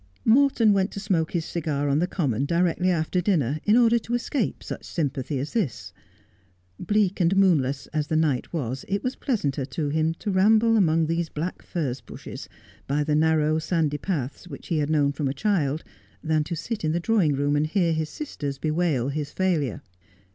Morton went to smoke his cigar on the common directly after dinner in order to escape such sympathy as this. Ble*ak and moonless as the night was, it was pleasanter to him to ramble Whistled dozen the Wind. 163 among these black furze bushes by the narrow sandy paths which he had known from a child, than to sit in the drawing room and hear his sisters bewail his failure.